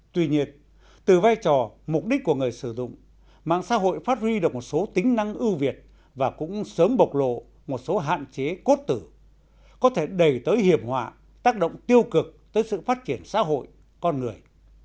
tuy nhiên từ vai trò mục đích của người sử dụng mạng xã hội phát huy được một số tính năng ưu việt và cũng sớm bộc lộ một số hạn chế cốt tử có thể đầy tới hiểm họa tác động tiêu cực tới sự phát triển xã hội con người